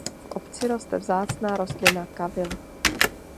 V obci roste vzácná rostlina kavyl.